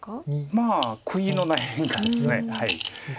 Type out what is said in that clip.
まあ悔いのない変化です。